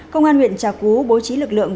công an huyện trà cú bố trí lực lượng